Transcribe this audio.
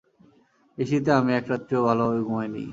এই শীতে আমি একরাত্রিও ভালভাবে ঘুমাইনি।